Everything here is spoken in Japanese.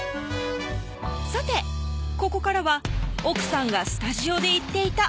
さてここからは奥さんがスタジオで言っていた